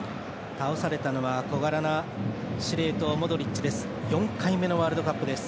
倒されたのは、小柄な司令塔モドリッチです。